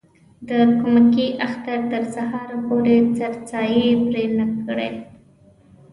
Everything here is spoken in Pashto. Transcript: د کمکي اختر تر سهاره پورې سرسایې پرې نه کړي.